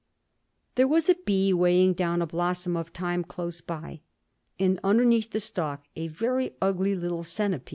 There was a bee weighing down a blossom of thyme close by, and underneath the stalk a very ugly little centipede.